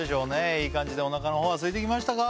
いい感じでおなかのほうはすいてきましたか？